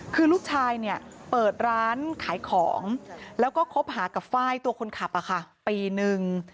คือลูกชายเนี่ยเปิดร้านขายของแล้วก็คบหากับไฟล์ตัวคนขับปีนึง